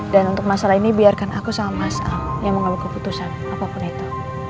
dan untuk masalah ini biarkan aku sama mas al yang mengambil keputusan apapun itu